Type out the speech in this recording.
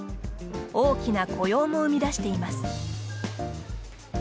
大きな雇用も生み出しています。